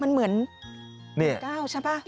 มันเหมือน๑เก้าใช่ไหม